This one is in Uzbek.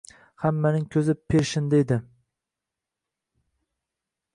Hammaning koʻzi Pershinda edi.